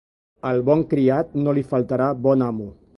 Al bon criat no li faltarà bon amo.